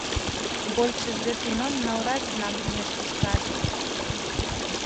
Большасць з іх імён наўрад нам нешта скажуць.